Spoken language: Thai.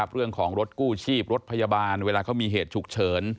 เรื่องของรถกู้ชีพรถพยาบาลเวลาเขามีเหตุฉุกเฉิน